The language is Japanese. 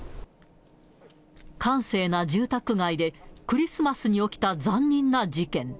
閑静な住宅街で、クリスマスに起きた残忍な事件。